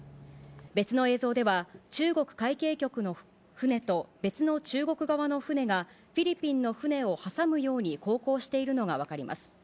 別の映像では、中国海警局の船と別の中国側の船がフィリピンの船を挟むように航行しているのが分かります。